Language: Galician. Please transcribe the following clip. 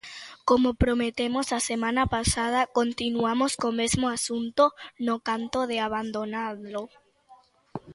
Como prometemos a semana pasada, continuamos co mesmo asunto no canto de abandonalo.